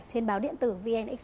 trên báo điện tử vn express